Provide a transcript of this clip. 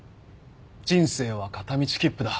「人生は片道切符だ。